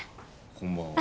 こんばんは。